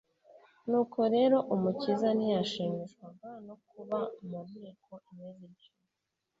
Nuko rero, Umukiza ntiyashimishwaga no kuba mu nteko imeze ityo.